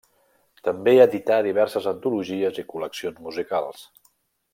També edità diverses antologies i col·leccions musicals.